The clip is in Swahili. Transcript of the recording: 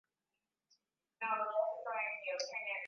kibinafsi huenda zikahitajika kusonga zaidi ya suluhisho la kiteknolojia